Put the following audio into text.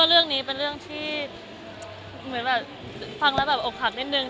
เดี๋ยวนอนลองแต่มีชื่อหัก